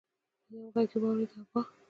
يو غږ يې واورېد: ابا!